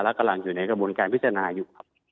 และกำลังอยู่ในกระบวนการพิจารณาอยู่ครับ